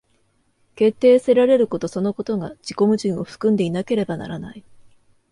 決定せられることそのことが自己矛盾を含んでいなければならない。